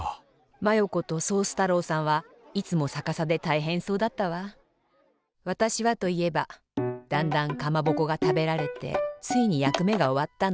マヨ子とソース太郎さんはいつもさかさでたいへんそうだったわ。わたしはといえばだんだんかまぼこがたべられてついにやくめがおわったの。